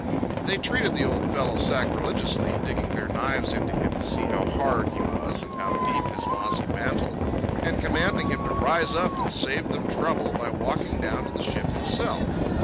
They treated the old fellow sacrilegiously, digging their knives into him to see how hard he was and how deep his mossy mantle, and commanding him to rise up and save them trouble by walking down to the ship himself.